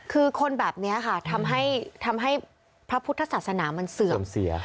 คือคนแบบนี้ค่ะทำให้พระพุทธศาสนามันเสื่อมเสีย